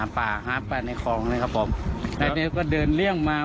หาปลาหาปลาในกองนี้ครับผมก็เดินเรื่องมา